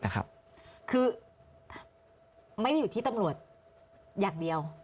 คือไม่ได้อยู่ที่ตำรวจอย่างเดียว